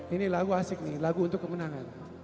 ini lagu asik nih lagu untuk kemenangan